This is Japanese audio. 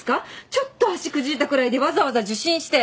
ちょっと足くじいたくらいでわざわざ受診して！